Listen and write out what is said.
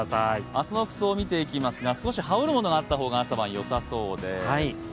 明日の服装を見ていきますが羽織るものがあった方が朝晩よさそうです。